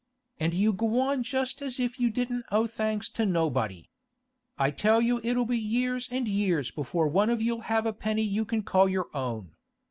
And you go on just as if you didn't owe thanks to nobody. I tell you it'll be years and years before one of you'll have a penny you can call your own.